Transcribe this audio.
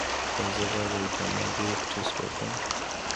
ایا زه باید د ویټامین بي ټسټ وکړم؟